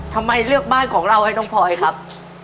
ทำไมเลือกบ้านของเราให้น้องพลอยครับ